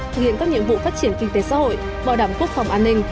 thực hiện các nhiệm vụ phát triển kinh tế xã hội bảo đảm quốc phòng an ninh